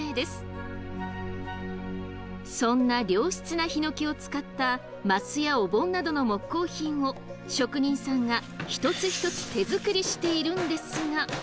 そんな良質なヒノキを使った升やお盆などの木工品を職人さんが一つ一つ手作りしているんですが。